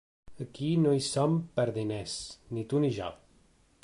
Aquí no hi som per diners, ni tu ni jo.